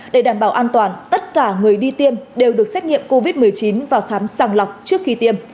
để đảm bảo an toàn tất cả người đi tiêm đều được xét nghiệm covid một mươi chín và khám sàng lọc trước khi tiêm